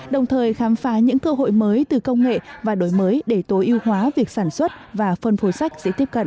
đồng thời khám phá những cơ hội mới từ công nghệ và đổi mới để tối ưu hóa việc sản xuất và phân phối sách dễ tiếp cận